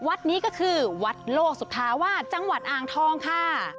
วัดนี้ก็คือวัดโลกสุธาวาสจังหวัดอ่างทองค่ะ